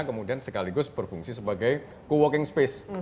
kemudian sekaligus berfungsi sebagai co working space